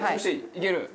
いける？